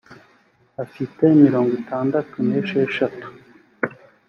afite mirongo itandatu n’esheshatu.